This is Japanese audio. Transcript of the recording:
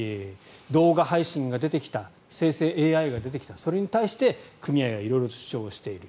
動画配信が出てきた生成ＡＩが出てきたそれに対して組合が色々と主張をしている。